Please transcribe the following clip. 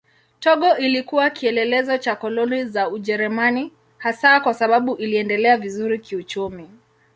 Togo ilikuwa kielelezo cha koloni za Ujerumani hasa kwa sababu iliendelea vizuri kiuchumi.